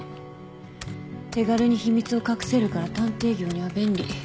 手軽に秘密を隠せるから探偵業には便利。